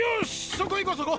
そこ行こそこ！